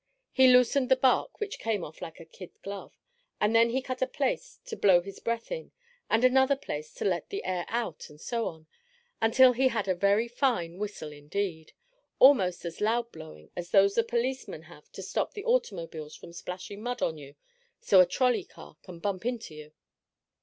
He loosened the bark, which came off like a kid glove, and then he cut a place to blow his breath in, and another place to let the air out and so on, until he had a very fine whistle indeed, almost as loud blowing as those the policemen have to stop the automobiles from splashing mud on you so a trolley car can bump into you.